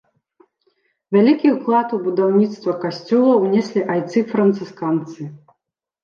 Вялікі ўклад у будаўніцтва касцёла ўнеслі айцы францысканцы.